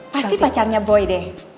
pasti pacarnya boy deh